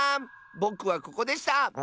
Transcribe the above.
ぼくはここでした！